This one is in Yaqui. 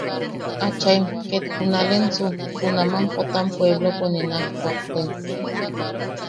Achaim ket junalensu, junaman Potam pueplopo ne naaj kuakten.